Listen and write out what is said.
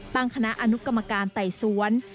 ตั้งคณะอนุกรรมการไต่สวน